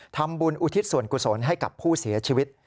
อุทิศส่วนกุศลให้กับผู้เสียชีวิต